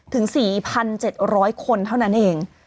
ถึง๔๗๐๐คนเท่านั้นเอง